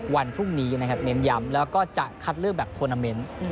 วันพรุ่งนี้นะครับเน้นย้ำแล้วก็จะคัดเลือกแบบทวนาเมนต์